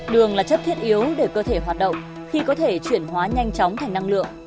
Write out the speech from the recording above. đường là chất thiết yếu để cơ thể hoạt động khi có thể chuyển hóa nhanh chóng thành năng lượng